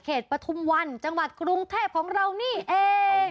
ปฐุมวันจังหวัดกรุงเทพของเรานี่เอง